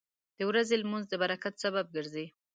• د ورځې لمونځ د برکت سبب ګرځي.